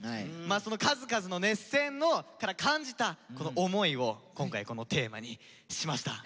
その数々の熱戦から感じたこの思いを今回このテーマにしました。